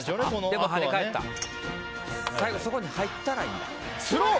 最後、そこに入ったらいいんだ。